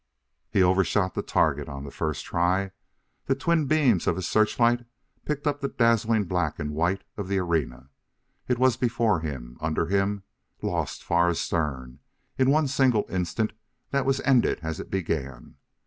He overshot the target on the first try. The twin beams of his searchlights picked up the dazzling black and white of the arena; it was before him! under him! lost far astern in one single instant that was ended as it began.